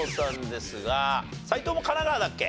斎藤も神奈川だっけ？